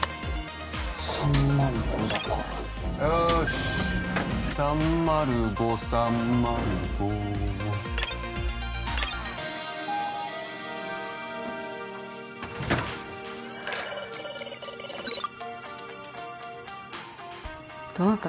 ３０５だからよし３０５３０５どなた？